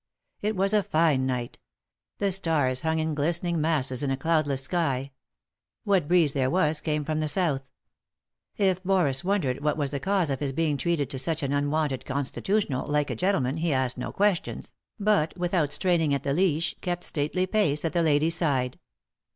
It was a fine night The stars hung in glistening masses in a cloudless sky. What breeze there was came from the south. If Boris wondered what was the cause of his being treated to such an unwonted con stitutional, like a gentleman, he asked no questions, but, without straining at the leash, kept stately pace at the lady's side.